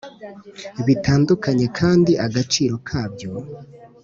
bitandukanye kandi agaciro kabyo